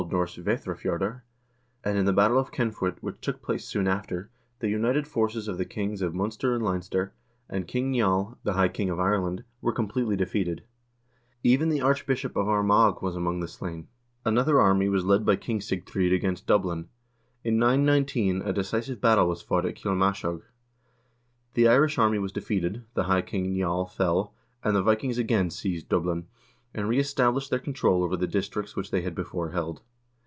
N. Veorafjordr), and, in the battle of Cennfuait, which took place soon after, the united forces of the kings of Munster and Leinster, and King Niall, high king of Ireland, were completely defeated ; even the archbishop of Armagh was among the slain. Another army was led by King Sigtrygg against Dublin. In 919 a decisive battle was fought at Cilmashogue. The Irish army was defeated, the high king, Niall, fell, and the Vikings again seized Dublin, and reestablished their control over the districts which they had before held.